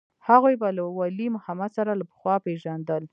هغوى به له ولي محمد سره له پخوا پېژندل.